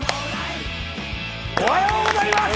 おはようございます。